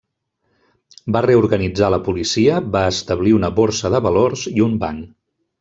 Va reorganitzar la Policia, va establir una Borsa de valors i un Banc.